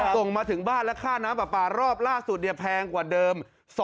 ส่งมาถึงบ้านและค่าน้ำปลาปลารอบล่าสุดแพงกว่าเดิม